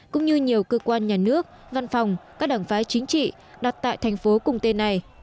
cũng như nhiều cơ quan nhà nước văn phòng các đảng phái chính trị đặt tại thành phố cùng tên này